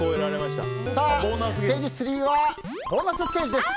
ステージ３はボーナスステージです。